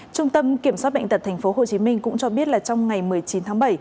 trung tâm kiểm soát bệnh tật tp hcm cũng cho biết là trong ngày một mươi chín tháng bảy